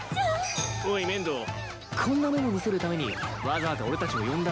こんなもの見せるためにわざわざ俺たちを呼んだのか？